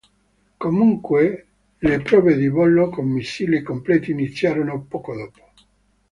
Comunque, le prove di volo con missili completi iniziarono poco dopo.